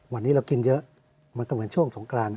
วันนี้เรากินเยอะมันก็เหมือนช่วงสงกราน